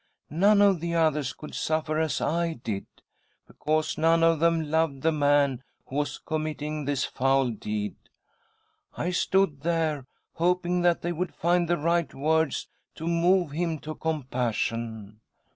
None of the others could suffer as I did, because notfe of them loved the man who was committing this foul deed. I stood there, hoping that they would find the right words to move him to compassion.